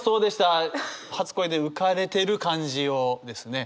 初恋で浮かれてる感じをですね